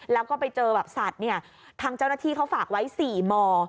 แล้วก็ไปเจอแบบสัตว์เนี่ยทางเจ้าหน้าที่เขาฝากไว้๔ม